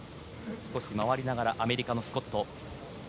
少し回りながらアメリカのスコット。